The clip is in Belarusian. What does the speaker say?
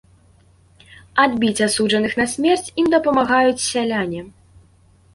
Адбіць асуджаных на смерць ім дапамагаюць сяляне.